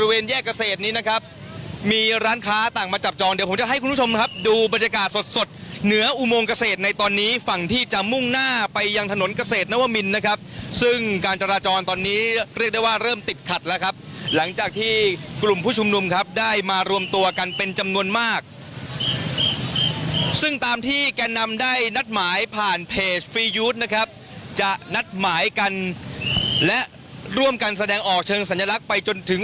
โดยมีร้านค้าต่างมาจับจองเดี๋ยวผมจะให้คุณผู้ชมครับดูบรรยากาศสดเหนืออุโมงเกษตรในตอนนี้ฝั่งที่จะมุ่งหน้าไปยังถนนเกษตรนวมินนะครับซึ่งการจราจรตอนนี้เรียกได้ว่าเริ่มติดขัดแล้วครับหลังจากที่กลุ่มผู้ชมดุมครับได้มารวมตัวกันเป็นจำนวนมากซึ่งตามที่แกนำได้นัดหมายผ่านเพจฟรี